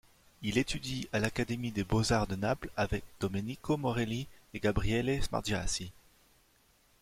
Il étudie à l'Académie des beaux-arts de Naples avec Domenico Morelli et Gabriele Smargiassi.